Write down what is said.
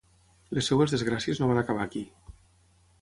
Les seves desgràcies no van acabar aquí.